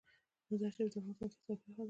مزارشریف د افغانستان د اقتصاد برخه ده.